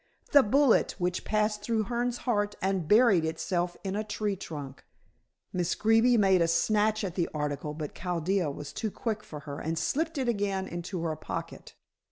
The bullet which passed through Hearne's heart, and buried itself in a tree trunk." Miss Greeby made a snatch at the article, but Chaldea was too quick for her and slipped it again into her pocket.